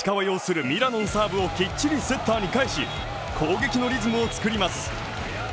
擁するミラノのサーブをきっちりセッターに返し攻撃のリズムを作ります。